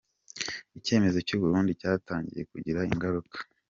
Icyemezo cy’u Burundi cyatangiye kugira ingaruka .